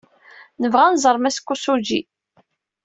Nebɣa ad nẓer Mass Kosugi.